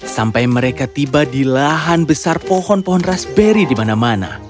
sampai mereka tiba di lahan besar pohon pohon raspberry di mana mana